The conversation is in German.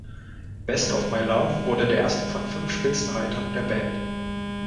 „Best of My Love“ wurde der erste von fünf Spitzenreitern der Band.